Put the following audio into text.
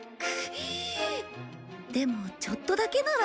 でもちょっとだけなら。